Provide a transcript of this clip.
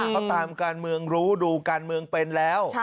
เขาตามการเมืองรู้ดูการเมืองเป็นแล้ว